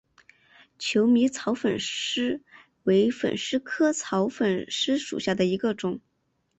求米草粉虱为粉虱科草粉虱属下的一个种。